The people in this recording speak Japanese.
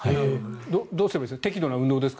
どうすればいいですか？